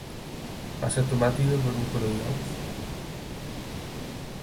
Massa tomata per a un parell d'ous.